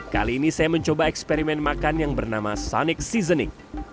kali ini saya mencoba eksperimen makan yang bernama sonic seasoning